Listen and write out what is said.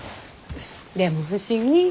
でも不思議。